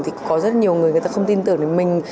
thì có rất nhiều người người ta không tin tưởng đến mình